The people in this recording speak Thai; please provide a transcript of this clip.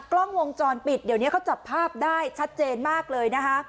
กล้องวงจรปิดเดี๋ยวนี้เขาจับภาพได้ชัดเจนมากเลยนะคะ